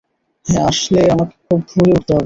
হ্যাঁ, আসলে আমাকে খুব ভোরে উঠতে হবে।